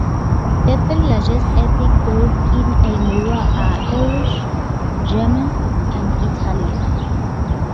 The three largest ethnic groups in Elmira are Irish, German and Italian.